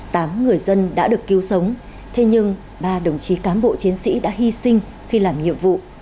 tám người dân đã được cứu sống thế nhưng ba đồng chí cán bộ chiến sĩ đã hy sinh khi làm nhiệm vụ